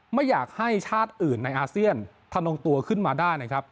ไม่อยากให้ชาติอื่นในอาเซียนทะนงตัวขึ้นมาได้นะครับ